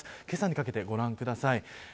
けさにかけてご覧ください。